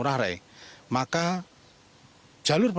perempuan dari jakarta